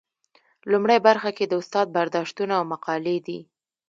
لومړۍ برخه کې د استاد برداشتونه او مقالې دي.